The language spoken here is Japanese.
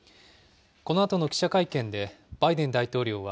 このあとの記者会見で、バイデン大統領は、